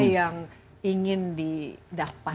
yang ingin didapatkan